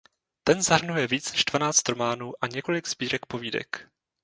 Ten zahrnuje víc než dvanáct románů a několik sbírek povídek.